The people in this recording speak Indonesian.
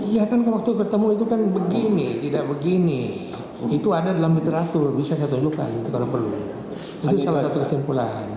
iya kan waktu bertemu itu kan begini tidak begini itu ada dalam literatur bisa saya tunjukkan kalau perlu itu salah satu kesimpulan